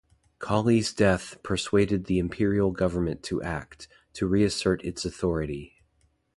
Colley's death persuaded the Imperial government to act, to reassert its authority.